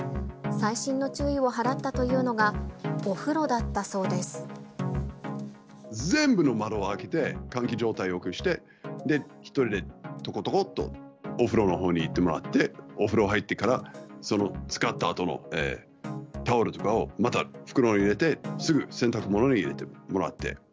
細心の注意を払ったというの全部の窓を開けて、換気状態をよくして、１人でとことこっとお風呂のほうに行ってもらって、お風呂入ってから、その使ったあとのタオルとかをまた袋に入れて、すぐ洗濯物に入れてもらって。